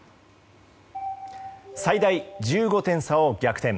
最大１５点差を逆転。